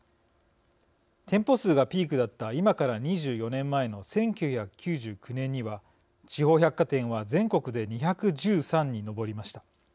店舗数がピークだった今から２４年前の１９９９年には地方百貨店は全国で２１３に上りました。